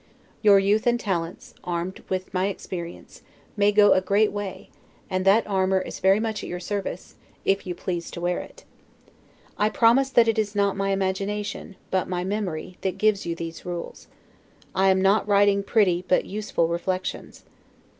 Your youth and talents, armed with my experience, may go a great way; and that armor is very much at your service, if you please to wear it. I premise that it is not my imagination, but my memory, that gives you these rules: I am not writing pretty; but useful reflections.